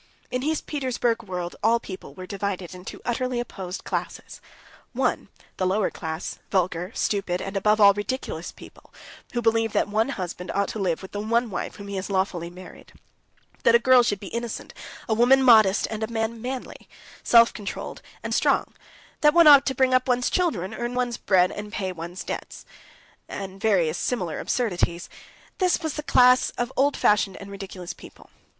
In his Petersburg world all people were divided into utterly opposed classes. One, the lower class, vulgar, stupid, and, above all, ridiculous people, who believe that one husband ought to live with the one wife whom he has lawfully married; that a girl should be innocent, a woman modest, and a man manly, self controlled, and strong; that one ought to bring up one's children, earn one's bread, and pay one's debts; and various similar absurdities. This was the class of old fashioned and ridiculous people.